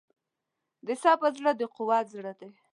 د صبر زړه د قوت زړه دی.